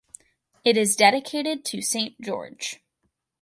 It is dedicated to Saint George.